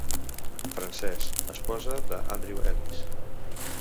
Frances, esposa de Andrew Ellis.